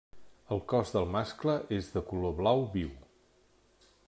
El cos del mascle és de color blau viu.